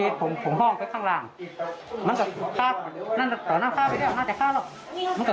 สิบโมงกว่าครับสี่ทุ่มวันทุกวันครับ